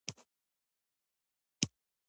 نور څه ولیکم.